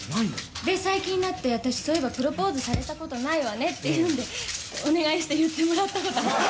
最近になって、私そういえばプロポーズされたことないわねっていうんで、お願いして言ってもらったことがあります。